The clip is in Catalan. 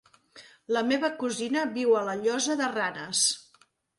La meva cosina viu a la Llosa de Ranes.